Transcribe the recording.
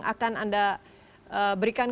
akan anda berikan